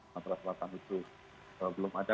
sumatera selatan itu belum ada